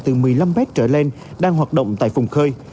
tàu cá trở lại từ một mươi năm mét trở lên đang hoạt động tại phùng khơi